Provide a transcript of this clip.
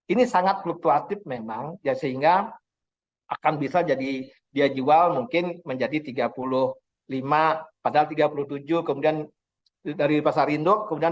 ini sangat fluktuatif memang ya sehingga akan bisa jadi dia jual mungkin menjadi tiga puluh lima padahal tiga puluh tujuh kemudian dari pasar induk